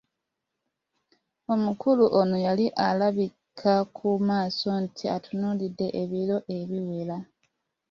Omukulu ono yali alabika ku maaso nti atunuulidde ebiro ebiwera.